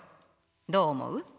どう思う？